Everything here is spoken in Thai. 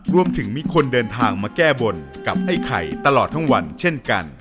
มีคนเดินทางมาแก้บนกับไอ้ไข่ตลอดทั้งวันเช่นกัน